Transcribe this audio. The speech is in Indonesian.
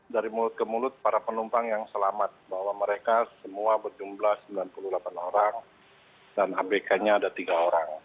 dari mulut ke mulut para penumpang yang selamat bahwa mereka semua berjumlah sembilan puluh delapan orang dan abk nya ada tiga orang